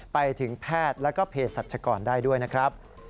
ไปถึงแพทย์แล้วก็เพศสัชกรได้ด้วยนะครับ